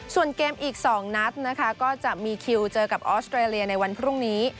ส่วนเกมอีก๒นัดนะคะก็จะมีคิวเจอกับออสเตรเลียในวันพรุ่งนี้